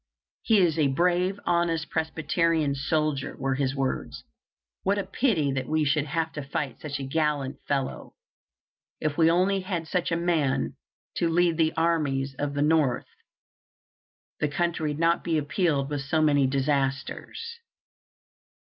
"He is a brave, honest Presbyterian soldier," were his words; "what a pity that we should have to fight such a gallant fellow! If we only had such a man to lead the armies of the North, the country would not be appalled with so many disasters."